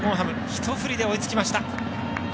ひと振りで追いつきました。